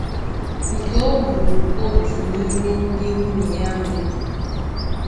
nke o buru otu n'ime ndị nwunye ya wee bịa